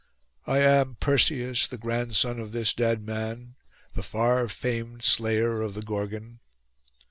I am Perseus, the grandson of this dead man, the far famed slayer of the Gorgon.